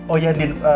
oh ya andin